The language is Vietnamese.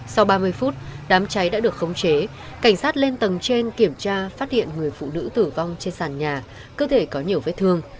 sau ba mươi phút đám cháy đã được khống chế cảnh sát lên tầng trên kiểm tra phát hiện người phụ nữ tử vong trên sàn nhà cơ thể có nhiều vết thương